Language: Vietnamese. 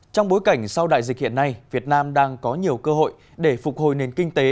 trong bối cảnh sau đại dịch hiện nay việt nam đang có nhiều cơ hội để phục hồi nền kinh tế